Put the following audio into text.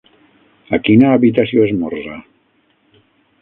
A quina habitació esmorza?